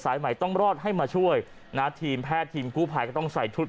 ใหม่ต้องรอดให้มาช่วยนะทีมแพทย์ทีมกู้ภัยก็ต้องใส่ชุด